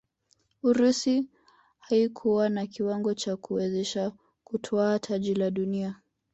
urusi haikuwa na kiwango cha kuiwezesha kutwaa taji la dunia